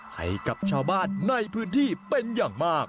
ให้กับชาวบ้านในพื้นที่เป็นอย่างมาก